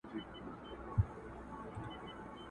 بوډا وویل پیسو ته نه ژړېږم!